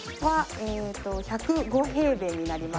えっと１０５平米になります。